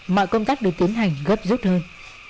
mọi công tác được tiến hành gấp rút hơn